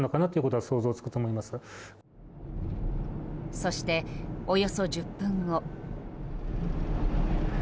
そして、およそ１０分後。